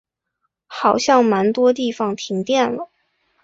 好像蛮多地方停电了